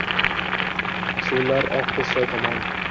Suvlar oqdi soy tomon